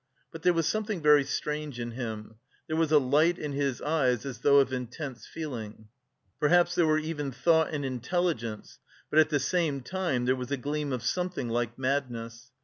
But there was something very strange in him; there was a light in his eyes as though of intense feeling perhaps there were even thought and intelligence, but at the same time there was a gleam of something like madness.